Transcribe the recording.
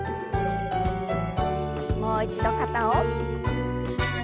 もう一度肩を。